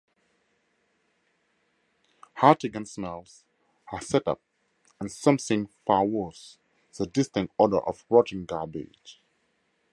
Hartigan smells a set-up, and something far worse: the distinct odor of rotting garbage.